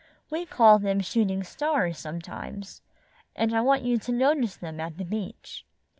We call them shooting stars sometimes, and I want you to notice them at the beach."